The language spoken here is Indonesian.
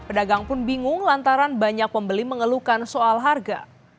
pedagang pun bingung lantaran banyak pembeli mengeluhkan soal harga